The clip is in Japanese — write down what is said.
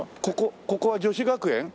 ここここは女子学園？